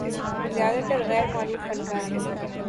زیادہ تر غیر معروف فنکار ہیں۔